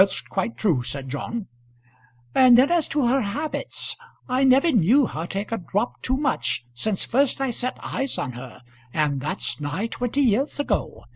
"That's quite true," said John. "And then as to her habits I never knew her take a drop too much since first I set eyes on her, and that's nigh twenty years ago.